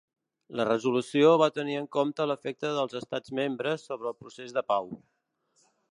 La resolució va tenir en compte l'efecte dels Estats membres sobre el procés de pau.